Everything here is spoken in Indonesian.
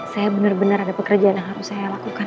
saya benar benar ada pekerjaan yang harus saya lakukan